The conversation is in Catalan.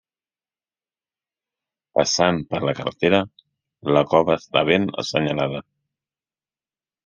Passant per la carretera la cova està ben assenyalada.